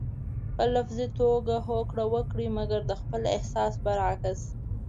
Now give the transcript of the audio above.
په لفظي توګه هوکړه وکړئ مګر د خپل احساس برعکس.